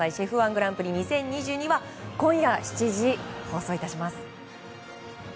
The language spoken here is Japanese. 「ＣＨＥＦ‐１グランプリ２０２２」は今夜７時、放送いたします。